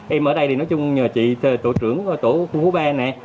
em ở đây thì nói chung nhờ chị tổ trưởng tổ khu phố ba này